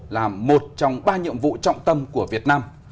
là một trong ba nhiệm vụ trọng tâm của việt nam